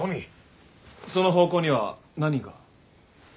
その方向には何が？